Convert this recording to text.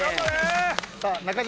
さあ中島